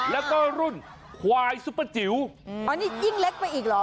แล้วก็รุ่นควายซุปเปอร์จิ๋วอ๋อนี่ยิ่งเล็กไปอีกเหรอ